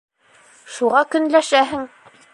Шуға көнләшәһең!